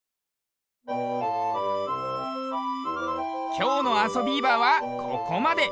きょうの「あそビーバー」はここまで。